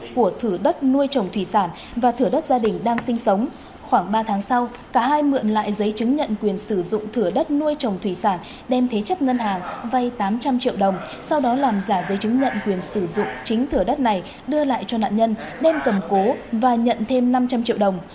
cả hai đối tượng tiếp tục mượn lại giấy chứng nhận quyền sử dụng thửa đất nuôi trồng thủy sản đem thế chấp ngân hàng vay tám trăm linh triệu đồng sau đó làm giả giấy chứng nhận quyền sử dụng chính thửa đất này đưa lại cho nạn nhân đem cầm cố và nhận thêm năm trăm linh triệu đồng